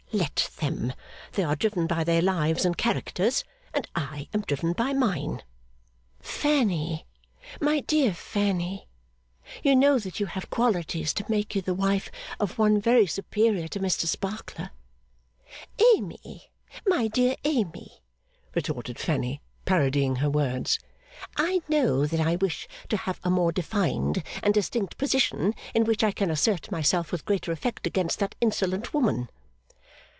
Let them. They are driven by their lives and characters; I am driven by mine.' 'Fanny, my dear Fanny, you know that you have qualities to make you the wife of one very superior to Mr Sparkler.' 'Amy, my dear Amy,' retorted Fanny, parodying her words, 'I know that I wish to have a more defined and distinct position, in which I can assert myself with greater effect against that insolent woman.